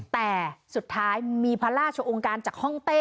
แต่สุดท้ายมีพระราชองค์การจ้ะฮ่องเต้บอกว่า